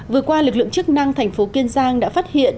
vừa qua lực lượng chức năng thành phố kiên giang đã phát hiện